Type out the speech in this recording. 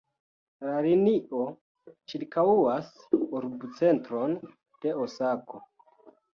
La linio ĉirkaŭas urbocentron de Osako.